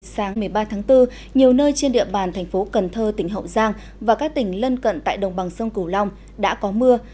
sáng một mươi ba tháng bốn nhiều nơi trên địa bàn thành phố cần thơ tỉnh hậu giang và các tỉnh lân cận tại đồng bằng sông cửu long đã có mưa